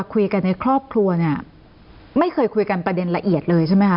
ก็ไม่ร้อนเท่าไรค่ะ